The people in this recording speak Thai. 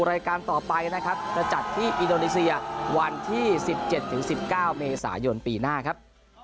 รายการต่อไปนะครับจะจัดที่อิโดนิเซียวันที่สิบเจ็ดถึงสิบเก้าเมษายนปีหน้าครับ